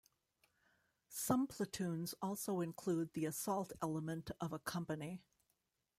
Some platoons also include the assault element of a company.